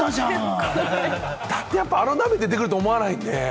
だってやっぱり、あの鍋が出てくると思わないんで。